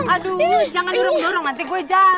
aduh jangan nurung durung nanti gue jatuh